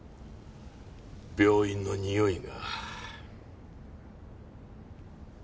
病院のにおいが。